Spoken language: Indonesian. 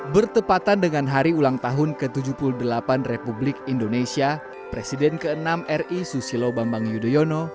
bertepatan dengan hari ulang tahun ke tujuh puluh delapan republik indonesia presiden ke enam ri susilo bambang yudhoyono